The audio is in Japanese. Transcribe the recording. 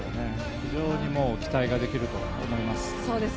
非常に期待ができると思います。